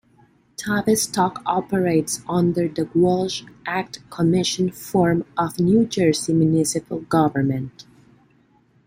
Tavistock operates under the Walsh Act commission form of New Jersey municipal government.